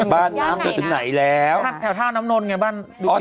บ้านน้ำเกิดถึงไหนแล้วแถวท่าน้ำโน่นไงบ้าง